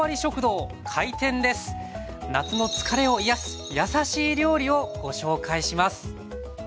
夏の疲れを癒やすやさしい料理をご紹介します。